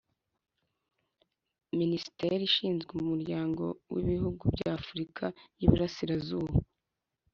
Minisiteri ishinzwe Umuryango w’Ibihugu by’Afurika y’Iburasirazuba